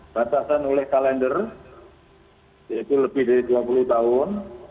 batasan oleh kalender yaitu lebih dari dua puluh tahun